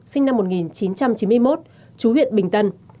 sinh năm một nghìn chín trăm chín mươi một chú huyện bình tân